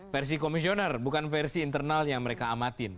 versi komisioner bukan versi internal yang mereka amatin